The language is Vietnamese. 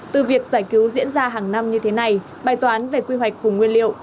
từ việc giải cứu diễn ra hàng năm như thế này bài toán về quy hoạch vùng nguyên liệu